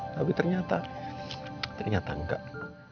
tapi ternyata ternyata enggak